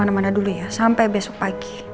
aduh mateo lagi